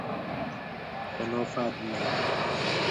কোনো ফাঁদ নেই।